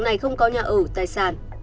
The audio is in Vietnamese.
này không có nhà ở tài sản